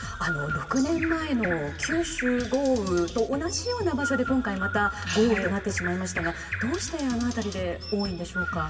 ６年前の九州豪雨と同じような場所で今回また豪雨となってしまいましたがどうして、あの辺りで多いんでしょうか。